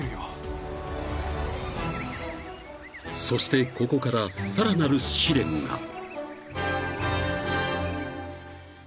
［そしてここからさらなる試練が］